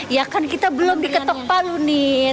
ya kan kita belum diketok palu nih